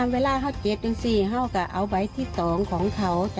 เวลาเก็บถึง๔เดือนเราจะเอาใบที่๒ของเขา